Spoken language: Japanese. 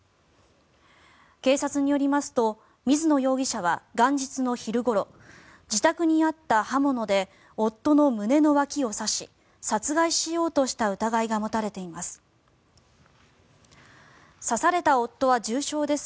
警察によりますと水野容疑者は元日の昼ごろ自宅にあった刃物で夫の胸の脇を刺し殺害しようとした疑いが持たれています。